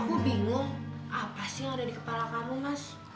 aku bingung apa sih yang ada di kepala kamu mas